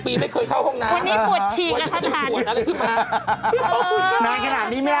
ปีไม่เคยเข้าห้องน้ำ